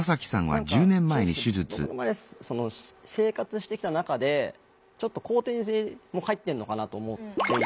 何か正直僕の場合生活してきた中でちょっと後天性も入ってんのかなと思っていて。